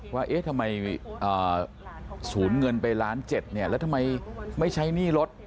ว่าเอ๊ะทำไมสูญเงินไปล้าน๗เนี่ยแล้วทำไมไม่ใช้หนี้รถ